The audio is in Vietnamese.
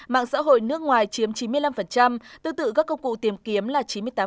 mạng xã hội nước ngoài chiếm chín mươi năm tư tự các công cụ tìm kiếm là chín mươi tám